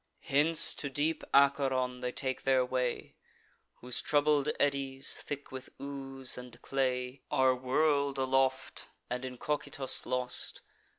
Hence to deep Acheron they take their way, Whose troubled eddies, thick with ooze and clay, Are whirl'd aloft, and in Cocytus lost.